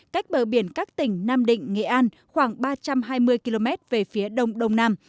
cách bờ biển các tỉnh nam định nghệ an khoảng ba trăm hai mươi km về phía đông đông nam